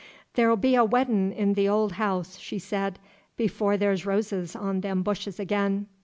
"There'll be a weddin' in the ol house," she said, "before there's roses on them bushes ag'in.